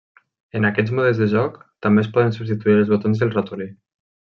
En aquests modes de joc també es poden substituir els botons i el ratolí.